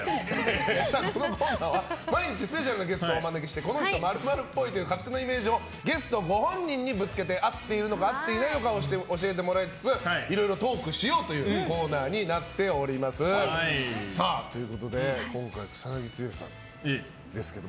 このコーナーは毎日スペシャルなゲストをお迎えしてこの人○○っぽいという勝手なイメージをゲストご本人にぶつけて合ってるのか合っていないのか教えてもらいつついろいろトークをしようという今回、草なぎ剛さんですけど。